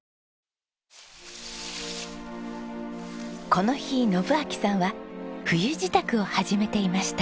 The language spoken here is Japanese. この日信秋さんは冬支度を始めていました。